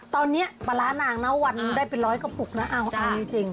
ตอนนี้ปลาร้านางน้ำวันได้เป็นร้อยกระปุกนะอ้าวจริง